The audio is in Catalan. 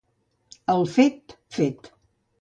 El fet, fet.